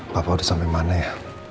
bapak udah sampe mana ya